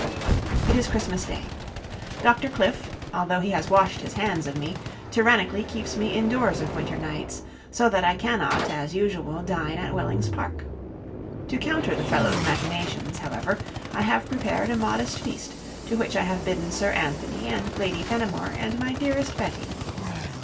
It is Christmas Day. Dr. Cliffe, although he has washed his hands of me, tyrannically keeps me indoors of winter nights, so that I cannot, as usual, dine at Wellings Park. To counter the fellow's machinations, however, I have prepared a modest feast to which I have bidden Sir Anthony and Lady Fenimore and my dearest Betty.